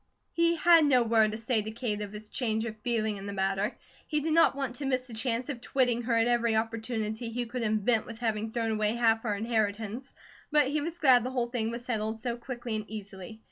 He had no word to say to Kate of his change of feeling in the matter. He did not want to miss the chance of twitting her at every opportunity he could invent with having thrown away half her inheritance; but he was glad the whole thing was settled so quickly and easily.